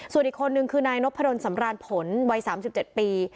ส่วนอีกคนนึงคือนายนพดลสำรานผลวัย๓๗ปี